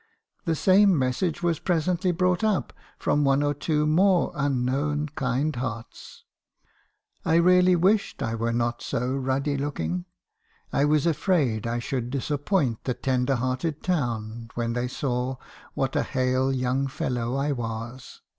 "The same message was presently brought up from one or two more unknown kind hearts. I really wished I were not so ruddy looking. I was afraid I should disappoint the tender hearted town when they saw what a hale young fellow I was.